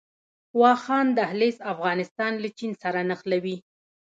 واخان دهلیز افغانستان له چین سره نښلوي